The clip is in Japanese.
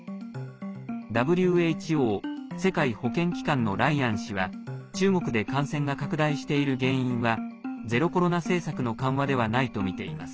ＷＨＯ＝世界保健機関のライアン氏は中国で感染が拡大している原因はゼロコロナ政策の緩和ではないとみています。